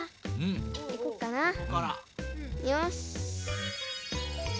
よし。